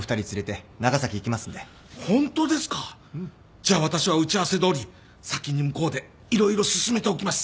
じゃあ私は打ち合わせどおり先に向こうで色々進めておきます。